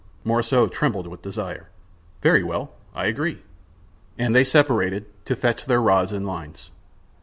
Morissot trembled with desire. "Very well. I agree." And they separated, to fetch their rods and lines.